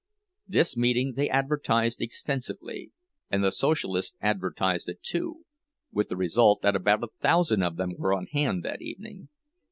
This meeting they advertised extensively, and the Socialists advertised it too—with the result that about a thousand of them were on hand that evening.